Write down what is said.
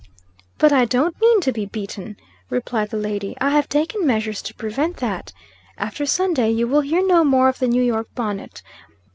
"But I don't mean to be beaten," replied the lady. "I have taken measures to prevent that. After Sunday you will hear no more of the New York bonnet.